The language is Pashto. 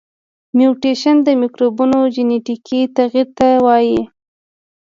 میوټیشن د مکروبونو جنیتیکي تغیر ته وایي.